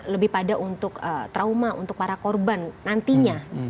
lebih pada untuk trauma untuk para korban nantinya